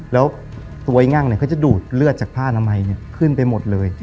แล้วตัวไอ้งั่งเขาจะดูดเลือดจากผ้านามัยขึ้นไปหมดเลย